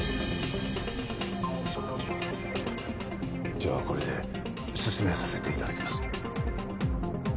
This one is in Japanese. ではこれで進めさせていただきます